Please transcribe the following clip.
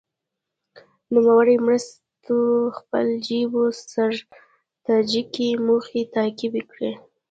نوموړو مرستو خپل جیو ستراتیجیکې موخې تعقیب کړې.